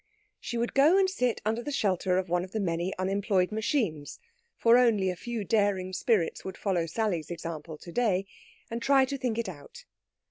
She would go and sit under the shelter of one of the many unemployed machines for only a few daring spirits would follow Sally's example to day and try to think it out.